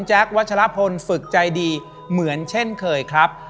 วัชลพลฝึกใจดีเหมือนเช่นเคยครับ